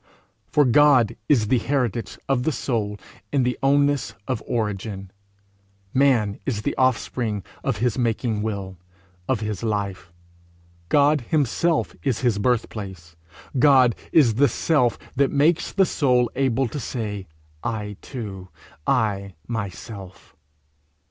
For God is the heritage of the soul in the ownness of origin; man is the offspring of his making will, of his life; God himself is his birth place; God is the self that makes the soul able to say I too, I myself.